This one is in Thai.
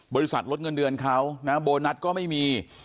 บริษัทลดเงินเดือนเขานะโบนัสก็ไม่มี